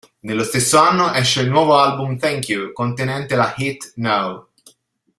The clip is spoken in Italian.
Nello stesso anno esce il nuovo album "Thank You", contenente la hit "No".